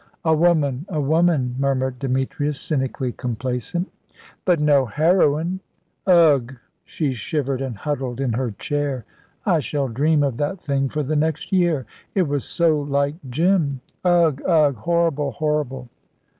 "A woman, a woman," murmured Demetrius, cynically complacent. "But no heroine. Ugh!" she shivered, and huddled in her chair. "I shall dream of that thing for the next year. It was so like Jim. Ugh! ugh! Horrible! horrible!"